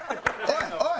おい！